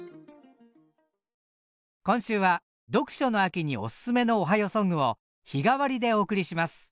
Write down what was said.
今週は読書の秋におすすめの「おはようソング」を日替わりでお送りします。